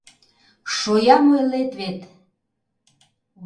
— Шоям ойлет вет!